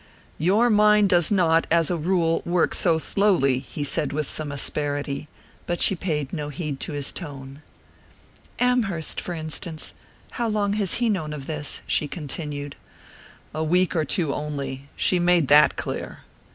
"Your mind does not, as a rule, work so slowly!" he said with some asperity; but she paid no heed to his tone. "Amherst, for instance how long has he known of this?" she continued. "A week or two only she made that clear."